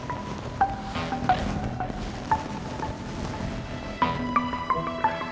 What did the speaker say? orih laut sebesar berk sandbox